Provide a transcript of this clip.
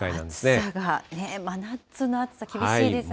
暑さがね、真夏の暑さ、厳しいですね。